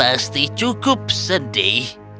pasti cukup sedih